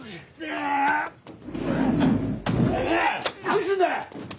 何すんだ！